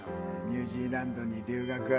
ニュージーランドに留学。